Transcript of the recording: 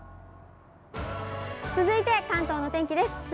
続いて関東の天気です。